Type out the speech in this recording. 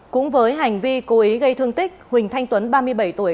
cũng với hành vi cố ý gây thương tích huỳnh thanh tuấn ba mươi bảy tuổi